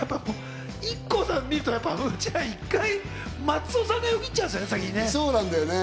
ＩＫＫＯさん見るとやっぱり松尾さんがよぎっちゃうんですよね、先に。